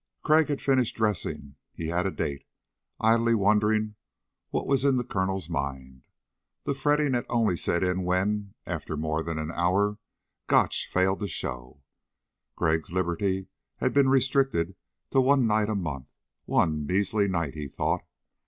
Crag had finished dressing he had a date idly wondering what was in the Colonel's mind. The fretting had only set in when, after more than an hour, Gotch had failed to show. Greg's liberty had been restricted to one night a month. One measly night, he thought.